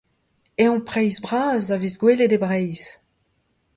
Evn-preizh bras a vez gwelet e Breizh.